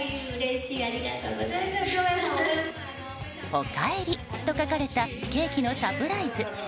「おかえり」と書かれたケーキのサプライズ。